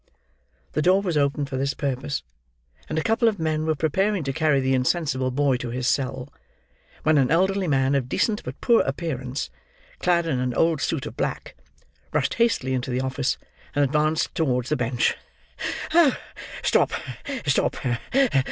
The door was opened for this purpose, and a couple of men were preparing to carry the insensible boy to his cell; when an elderly man of decent but poor appearance, clad in an old suit of black, rushed hastily into the office, and advanced towards the bench. "Stop, stop!